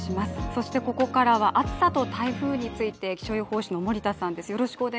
そしてここからは暑さと台風について気象予報士の森田さんです。